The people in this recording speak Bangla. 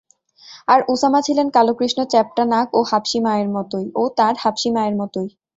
আর উসামা ছিলেন কালো-কৃষ্ণ, চ্যাপটা নাক ও তাঁর হাবশী মায়েরই মতো।